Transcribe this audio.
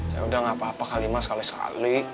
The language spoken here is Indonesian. yaudah gapapa kali emang sekali sekali